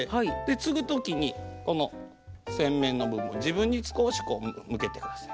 つぐ時にこの扇面の部分を自分に少しこう向けてください。